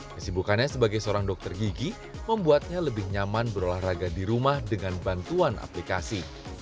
kesibukannya sebagai seorang dokter gigi membuatnya lebih nyaman berolahraga di rumah dengan bantuan aplikasi